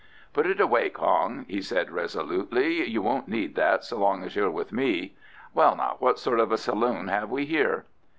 "Put it away, Kong," he said resolutely. "You won't need that so long as you're with me. Well, now, what sort of a saloon have we here?"